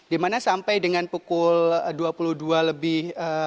di mana sampai dengan pukul dua puluh dua lebih